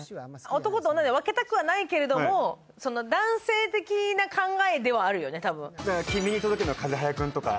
男と女で分けたくはないけど、男性的な考えではあるよね。